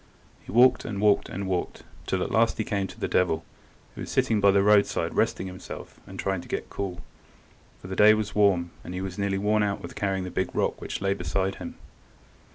He walked, and walked, and walked, till at last he came to the devil, who was sitting by the roadside resting himself and trying to get cool, for the day was warm, and he was nearly worn out with carrying the big rock which lay beside him.